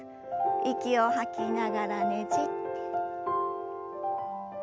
息を吐きながらねじって。